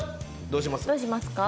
どうしますか？